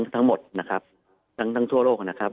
ทั้งหมดนะครับทั้งทั่วโลกนะครับ